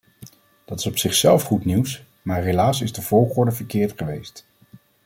Dat is op zichzelf goed nieuws, maar helaas is de volgorde verkeerd geweest.